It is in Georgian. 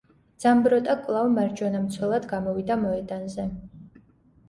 ძამბროტა კვალავ მარჯვენა მცველად გამოვიდა მოედანზე.